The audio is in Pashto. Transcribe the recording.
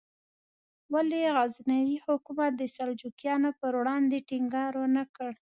ولې غزنوي حکومت د سلجوقیانو پر وړاندې ټینګار ونکړ؟